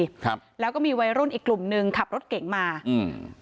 ครับแล้วก็มีวัยรุ่นอีกกลุ่มหนึ่งขับรถเก่งมาอืม